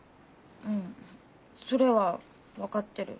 うんそれは分かってる。